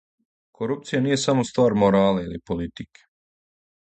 Корупција није само ствар морала или политике.